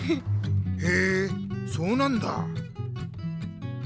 へえそうなんだ！